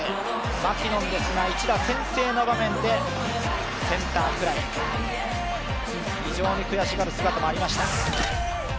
マキノンですが、一打先制の場面でセンターフライ、非常に悔しがる姿もありました。